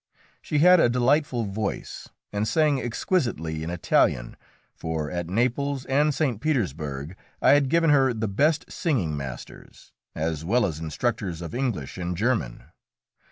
She had a delightful voice, and sang exquisitely in Italian, for at Naples and St. Petersburg I had given her the best singing masters, as well as instructors of English and German.